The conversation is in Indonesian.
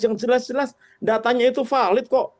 yang jelas jelas datanya itu valid kok